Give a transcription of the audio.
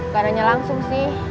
udaranya langsung sih